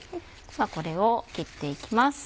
これを切っていきます。